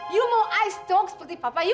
you mau ice talk seperti papa you